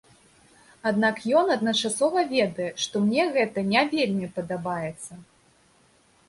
Аднак ён адначасова ведае, што мне гэта не вельмі падабаецца.